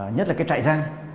nhất là cái trại giam